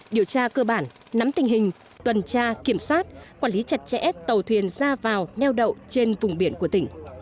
điều tra cơ bản nắm tình hình tuần tra kiểm soát quản lý chặt chẽ tàu thuyền ra vào neo đậu trên vùng biển của tỉnh